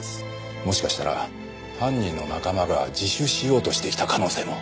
もしかしたら犯人の仲間が自首しようとしてきた可能性も。